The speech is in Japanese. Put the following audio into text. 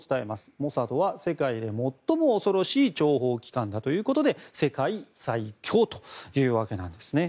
モサドは世界で最も恐ろしい諜報機関だということで世界最恐というわけなんですね。